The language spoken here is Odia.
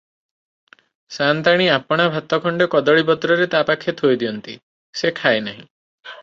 ସାଆନ୍ତାଣୀ ଆପଣା ଭାତ ଖଣ୍ତେ କଦଳୀ ପତ୍ରରେ ତା ପାଖରେ ଥୋଇଦିଅନ୍ତି, ସେ ଖାଏ ନାହିଁ ।